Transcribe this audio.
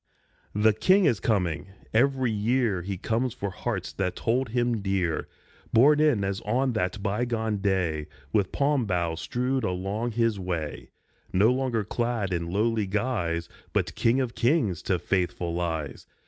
The King is coming ! Every year He comes for hearts that hold him dear, Borne in as on that by gone day With palm boughs strewed along his way, PALM SUNDAY 129 No longer clad in lowly guise, But King of Kings to faithful eyes.